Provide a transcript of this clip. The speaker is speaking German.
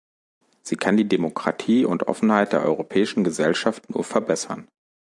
Sie kann die Demokratie und Offenheit der europäischen Gesellschaft nur verbessern.